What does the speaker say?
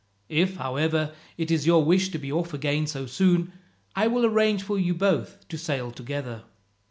If, however, it is your wish to be off again so soon, I will arrange for you both to sail together.